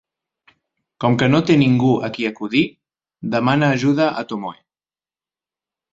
Com que no té ningú a qui acudir, demana ajuda a Tomoe.